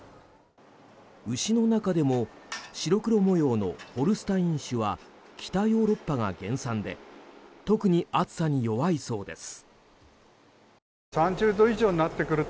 牛の中でも白黒模様のホルスタイン種は北ヨーロッパが原産で特に暑さに弱いそうです。